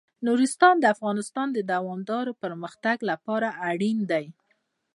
نورستان د افغانستان د دوامداره پرمختګ لپاره اړین دي.